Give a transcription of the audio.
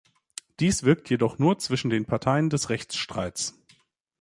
Dies wirkt jedoch nur zwischen den Parteien des Rechtsstreits.